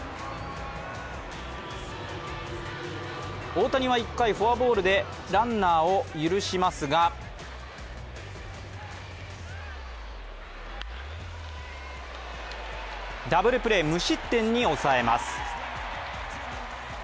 大谷は１回、フォアボールでランナーを許しますがダブルプレー、無失点に抑えます。